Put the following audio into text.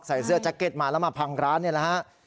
ใส่เสื้อแจ็คเก็ตมาแล้วมาพังร้านนี่แหละฮะ